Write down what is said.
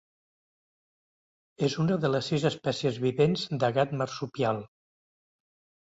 És una de les sis espècies vivents de gat marsupial.